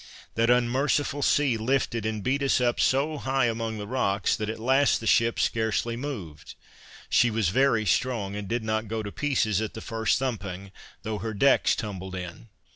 That unmerciful sea lifted and beat us up so high among the rocks, that at last the ship scarcely moved. She was very strong, and did not go to pieces at the first thumping, though her decks tumbled in.